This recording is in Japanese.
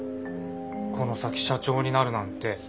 この先社長になるなんて中村さん